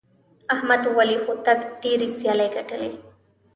احمد ولي هوتک ډېرې سیالۍ ګټلي.